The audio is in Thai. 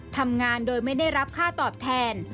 ทำงานโดยไม่ได้รับค่าตอบแทน